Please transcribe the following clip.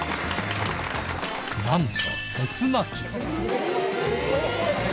なんとセスナ機。